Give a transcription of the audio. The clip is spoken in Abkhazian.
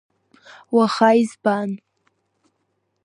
Уаха избан?